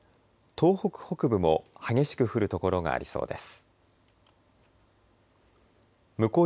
東北北部も激しく降る所がありそうです。